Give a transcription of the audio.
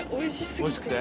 おいしくて。